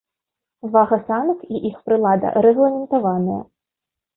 Вага санак і іх прылада рэгламентаваныя.